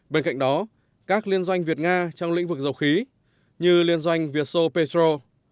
bên cạnh đó các liên doanh việt nga trong lĩnh vực dầu khí như liên doanh việt xô petro